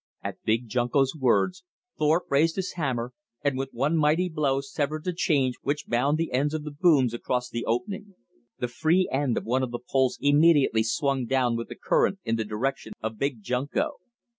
At Big Junko's words, Thorpe raised his hammer and with one mighty blow severed the chains which bound the ends of the booms across the opening. The free end of one of the poles immediately swung down with the current in the direction of Big Junko.